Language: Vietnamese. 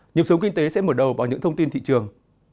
nhiều số kinh tế sẽ mở đầu bỏ những thông tin thị trường